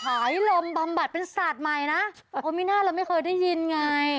ลมบำบัดเป็นศาสตร์ใหม่นะแต่โอมิน่าเราไม่เคยได้ยินไง